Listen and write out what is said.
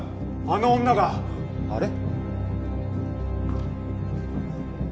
あの女があれ？